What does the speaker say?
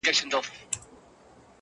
راغزولي دي خیرن لاسونه-